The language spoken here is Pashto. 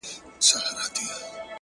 غټي سترگي شينكى خال د چا د ياد.